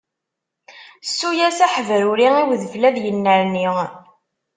Ssu-yas aḥebruri i udfel ad yennerni.